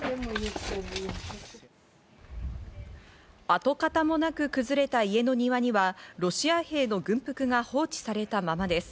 跡形もなく崩れた家の庭にはロシア兵の軍服が放置されたままです。